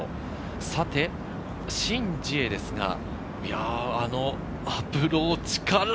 さてシン・ジエですが、このアプローチから。